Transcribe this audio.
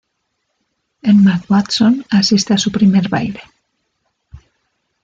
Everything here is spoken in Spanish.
Emma Watson asiste a su primer baile.